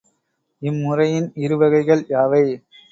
இம்முறையின் இருவகைகள் யாவை?